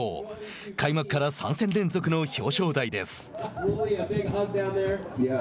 開幕から３戦連続の表彰台です。